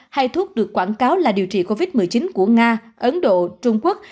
hai thuốc được quảng cáo là điều trị covid một mươi chín của nga ấn độ trung quốc